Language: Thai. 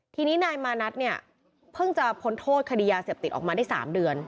ทีนี้นายมานัทเนี่ยเพิ่งจะพ้นโทษคดียาเสพติดออกมาได้๓เดือน